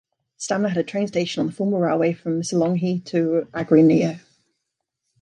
Stamna had a train station on the former railway from Missolonghi to Agrinio.